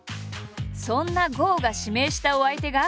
そんな郷が指名したお相手が。